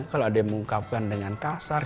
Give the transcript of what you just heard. kalau ada yang mengungkapkan dengan kasar